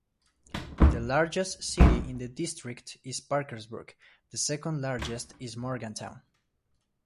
The largest city in the district is Parkersburg; the second largest is Morgantown.